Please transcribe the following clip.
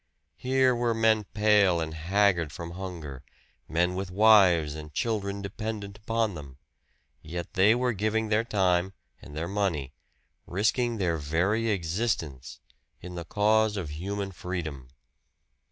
Here were men pale and haggard from hunger, men with wives and children dependent upon them; yet they were giving their time and their money risking their very existence in the cause of human freedom!